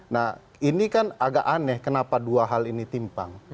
nah ini kan agak aneh kenapa dua hal ini timpang